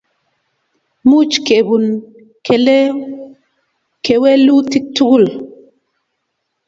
Much kepun kewelutik tugul